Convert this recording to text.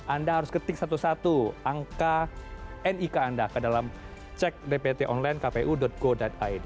anda harus ketik satu satu angka nik anda ke dalam cek dpt online kpu go id